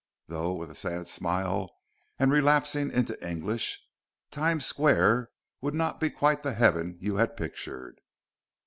Though" with a sad smile, and relapsing into English "Times Square would not be quite the heaven you had pictured...."